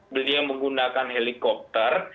beliau menggunakan helikopter